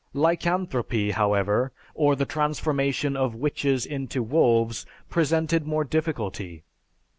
Lycanthropy, however, or the transformation of witches into wolves, presented more difficulty.